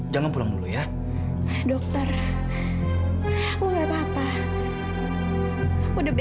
dalam kehidupan ber supplieve